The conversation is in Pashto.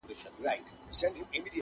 • تازه نسیمه د سهار باده -